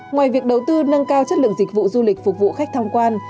ngoài việc đầu tư nâng cao chất lượng dịch vụ du lịch phục vụ khách tham quan